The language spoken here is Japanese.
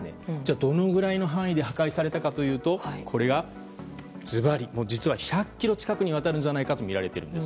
どのぐらいの範囲で破壊されたかというと実は１００ｋｍ近くにわたるんじゃないかとみられています。